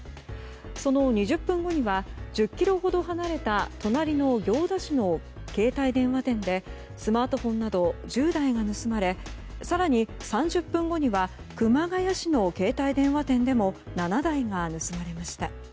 その２０分後には１０ｋｍほど離れた隣の行田市の携帯電話店でスマートフォンなど１０台が盗まれ更に、３０分後には熊谷市の携帯電話店でも７台が盗まれました。